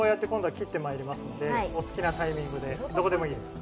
切ってまいりますので、お好きなタイミングでどこでもいいです。